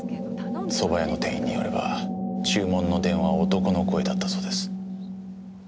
そば屋の店員によれば注文の電話は男の声だったそうです。